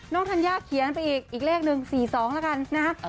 ธัญญาเขียนไปอีกอีกเลขหนึ่ง๔๒แล้วกันนะฮะ